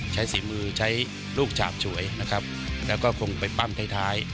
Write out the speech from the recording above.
ใช้สิ้นมือใช้ลูกฉาบสวยแล้วก็คงปั้มท้าย